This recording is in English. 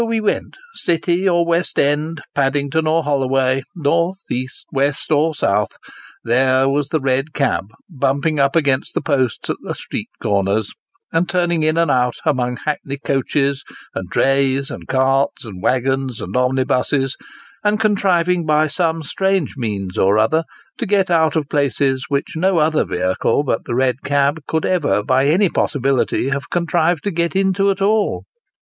105 we went, City or West End, Paddington or Holloway, North, East, West, or South, there was the red cab, bumping up against the posts at the street corners, and turning in and out, among hackney coaches, and drays, and carts, and waggons, and omnibuses, and contriving by some strange means or other, to get out of places which no other vehicle but the red cab could ever by any possibility have contrived to get into at all.